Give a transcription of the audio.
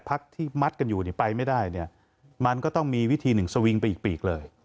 พักที่มัดกันอยู่ไปไม่ได้เนี่ยมันก็ต้องมีวิธีหนึ่งสวิงไปอีกปีกเลย